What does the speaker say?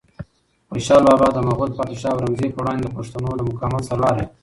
خوشحال بابا د مغول پادشاه اورنګزیب په وړاندې د پښتنو د مقاومت سرلاری و.